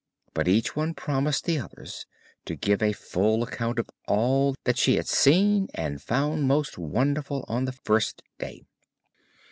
But each one promised the others to give a full account of all that she had seen, and found most wonderful on the first day.